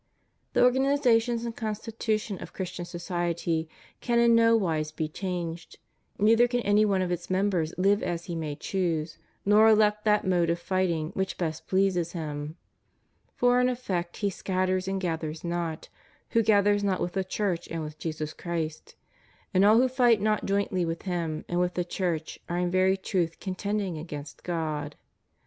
The organization and constitution of Christian society ' can in no wise be changed, neither can any one of its members hve as he may choose, nor elect that mode of fighting which best pleases him. For in effect he scatters and gathers not, who gathers not with the Church and with Jesus Christ, and all who fight not jointly with him and with the Church are in very truth contending against God.